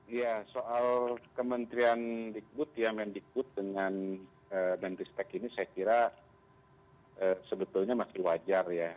ya soal kementerian dikbud ya mendikbud dengan dan ristek ini saya kira sebetulnya masih wajar ya